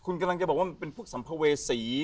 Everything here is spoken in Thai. คุณกำลังจะบอกว่ามันเป็นพวกสัมภเวษี